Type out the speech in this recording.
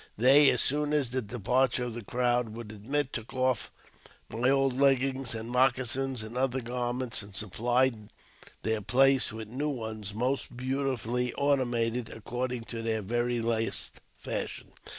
They, as soon as the departure of the crowd would admit, took off my old leggings, and moccasins, and other garments, and supplied their place with new ones, most beautifully ornamented according to their very last fashion.